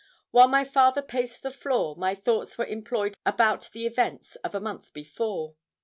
While my father paced the floor, my thoughts were employed about the events of a month before.